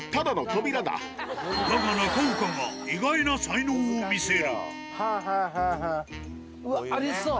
だが中岡が意外な才能を見せはあ、はあ、はあ。ありそう。